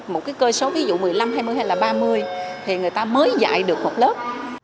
một cái cơ số ví dụ một mươi năm hai mươi hay là ba mươi thì người ta mới dạy được một lớp